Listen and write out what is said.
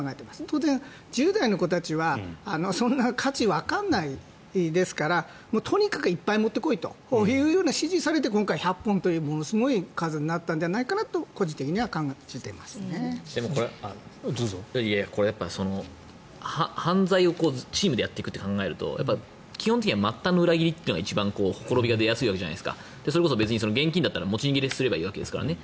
当然、１０代の子たちはそんな価値わからないですからとにかくいっぱい持って来いというふうに指示されて今回、１００本というものすごい数になったんじゃないかとこれやっぱり犯罪をチームでやっていくと考えると基本的には末端の裏切りがほころびが出やすいわけじゃないですかそれこそ現金だったら持ち逃げすればいいわけですからね。